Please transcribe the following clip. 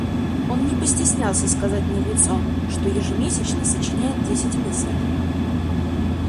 Он не постеснялся сказать мне в лицо, что ежемесячно сочиняет десять мыслей.